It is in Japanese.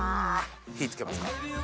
火付けますか。